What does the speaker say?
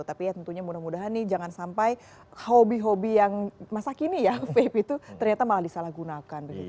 tapi ya tentunya mudah mudahan nih jangan sampai hobi hobi yang masa kini ya vape itu ternyata malah disalahgunakan